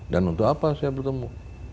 dan untuk apa saya bertemu